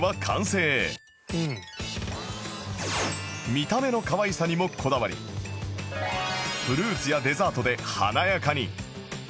見た目のかわいさにもこだわりフルーツやデザートで華やかに